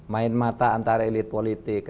main mata antara elit politik